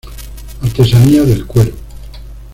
Artesanía del cuero.